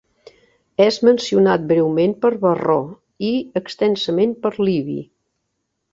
És mencionat breument per Varró i extensament per Livi.